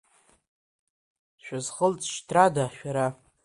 Шәызхылҵшьҭрада, шәара?